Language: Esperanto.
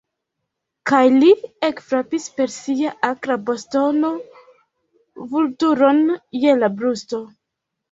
Kaj li ekfrapis per sia akra bastono Vulturon je la brusto.